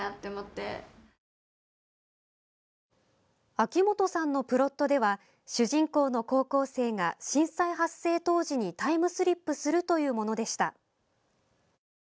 秋本さんのプロットでは主人公の高校生が震災発生当時にタイムスリップするというものでした。